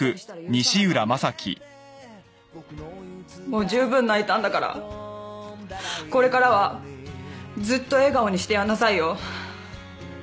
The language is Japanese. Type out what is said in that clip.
もうじゅうぶん泣いたんだからこれからはずっと笑顔にしてやんなさいよ。